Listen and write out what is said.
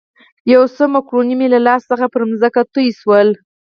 یو څه مکروني مې له لاس څخه پر مځکه توی شول.